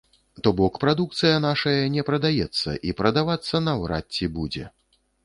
То бок, прадукцыя нашая не прадаецца, і прадавацца наўрад ці будзе.